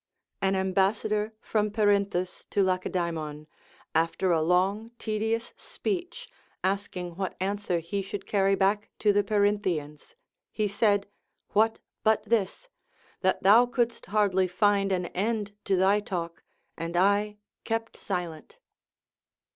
An ambassador from Perin thus to Lacedaemon, after a long tedious speech, asking what answer he should carry back to the Perinthians, he said, What but this ]— that thou couldst hardly find an end to thy talk, and I kept silent.